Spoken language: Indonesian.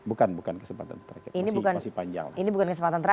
ini bukan kesempatan terakhir